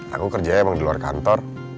aku kerjanya emang di luar kantor